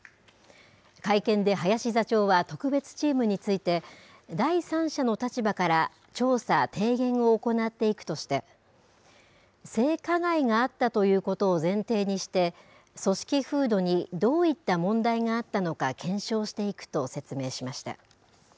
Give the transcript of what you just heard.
会見で林座長は特別チームについて、第三者の立場から調査、提言を行っていくとして、性加害があったということを前提にして、組織風土にどういった問題があったのか検証していくと説明しました。